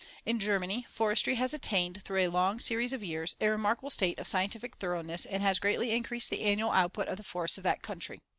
In Germany, Forestry has attained, through a long series of years, a remarkable state of scientific thoroughness and has greatly increased the annual output of the forests of that country.